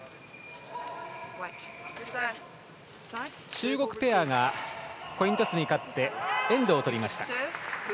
中国ペアがコイントスに勝ってエンドを取りました。